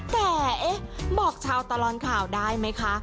แต่บอกชาวตลอดข่าวได้ไหมคะ